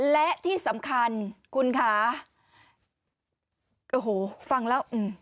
และที่สำคัญคุณคะโอ้โหฟังแล้ว